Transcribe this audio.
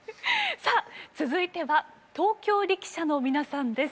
さあ続いては東京力車の皆さんです。